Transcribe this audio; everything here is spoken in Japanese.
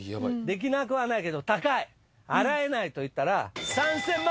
できなくはないけど「高い」「払えない」と言ったら。